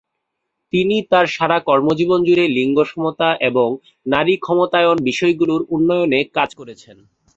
তিনি তার সারা কর্মজীবন জুড়ে লিঙ্গ সমতা এবং নারী ক্ষমতায়ন বিষয়গুলোর উন্নয়নে কাজ করেছেন।